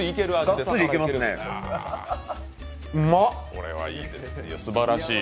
これはいいですよ、すばらしい。